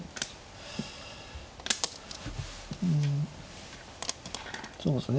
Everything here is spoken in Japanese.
うんそうですね